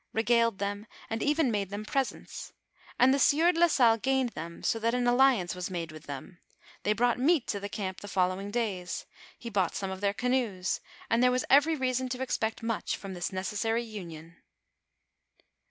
regaled them, and even made them presents ; and the sieur de la Salle gained them so that an alliance was made with them ; they brought meat to the camp the following days ; he bought some of their canoes, and there was every reason to expect much from this neces sary union.